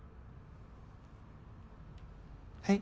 はい？